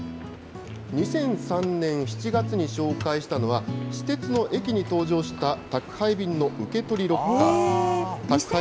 ２００３年７月に紹介したのは、私鉄の駅に登場した、宅配便の受け取りロッカー。